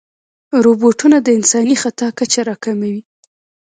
روبوټونه د انساني خطا کچه راکموي.